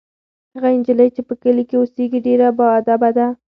هغه نجلۍ چې په کلي کې اوسیږي ډېره باادبه ده.